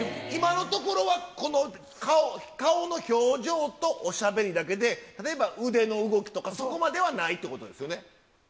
今のところは、この顔の表情とおしゃべりだけで、例えば腕の動きとか、そこまではないということですよね。